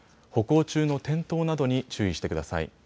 歩行中の転倒などに注意してください。